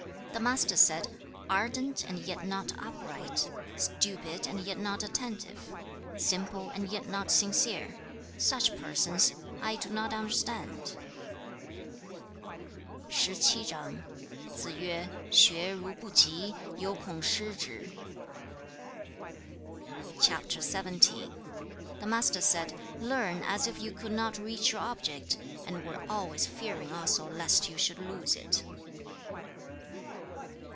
The Master said, 'Ardent and yet not upright; stupid and yet not attentive; simple and yet not sincere: such persons I do not understand.' CHAP. XVII. The Master said, 'Learn as if you could not reach your object, and were always fearing also lest you should lose it.'